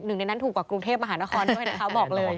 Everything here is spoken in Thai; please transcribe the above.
หนึ่งในนั้นถูกกว่ากรุงเทพมหานครด้วยนะคะบอกเลย